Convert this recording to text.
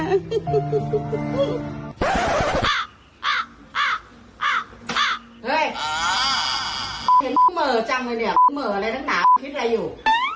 คิดอะไรอยู่